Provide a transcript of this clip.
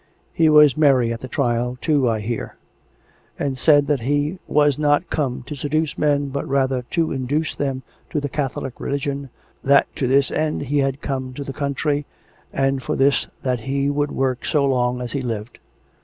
He was merry at the trial, too, I hear ; and said that ' he was not come to seduce men, but rather to induce them to the Catholic religion, that to this end he had come to the coun try, and for this that he would work so long as he lived.'